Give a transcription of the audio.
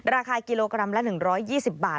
ราคากิโลกรัมละ๑๒๐บาท